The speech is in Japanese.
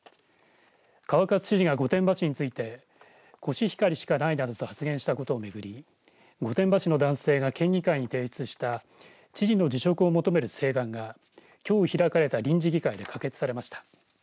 川勝知事が御殿場市についてコシヒカリしかないなどと発言したことをめぐり御殿場市の男性が県議会に提出した知事の辞職を求める請願がきょう開かれた臨時臨時議会で可決されました。